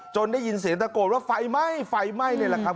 จนได้ยินเสียงตะโกดว่าไฟไหม้เลยแหละครับ